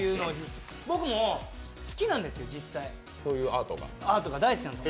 僕も好きなんですよ、実際、アートが大好きなんです。